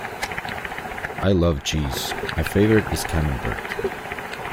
I love cheese; my favourite is camembert.